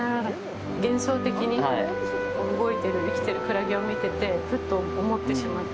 幻想的に動いてる生きてるクラゲを見ててふっと思ってしまって。